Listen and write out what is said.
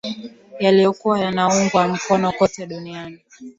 yaliyokuwa yanaungwa mkono kote duniani